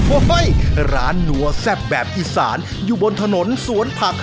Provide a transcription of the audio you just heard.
โอ้โหร้านนัวแซ่บแบบอีสานอยู่บนถนนสวนผัก